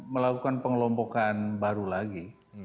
melakukan pengelompokan baru lagi